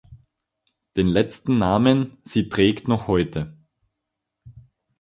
Den letzten Namen sie trägt noch heute.